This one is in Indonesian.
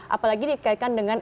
apalagi dikaitkan dengan